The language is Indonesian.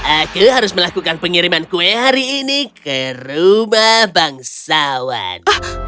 aku harus melakukan pengiriman kue hari ini ke rumah bangsawan